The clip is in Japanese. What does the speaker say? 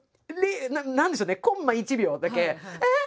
何なんでしょうねコンマ１秒だけよし！